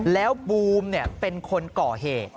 แล้วบูมเป็นคนก่อเหตุ